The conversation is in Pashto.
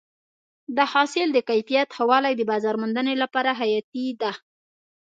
د حاصل د کیفیت ښه والی د بازار موندنې لپاره حیاتي دی.